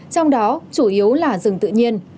trong đó chủ yếu là rừng tự nhiên